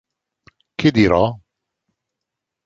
Che dirò?